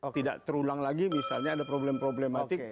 tidak terulang lagi misalnya ada problem problematik